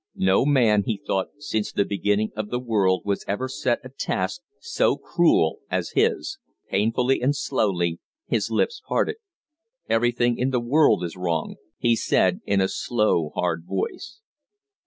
No man, he thought, since the beginning of the world was ever set a task so cruel as his. Painfully and slowly his lips parted. "Everything in the world is wrong," he said, in a slow, hard voice.